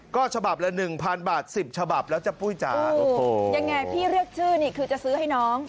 ก็ฉบับละ๑๐๐๐บาท๑๐ฉบับแล้วจะปุ้ยจ๊ะโอ้โหยังไงพี่เลือกชื่อนี่คือจะซื้อให้น้อง